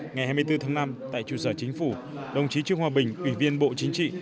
ngày hai mươi bốn tháng năm tại trụ sở chính phủ đồng chí trương hòa bình ủy viên bộ chính trị